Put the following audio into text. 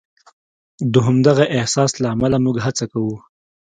د همدغه احساس له امله موږ هڅه کوو.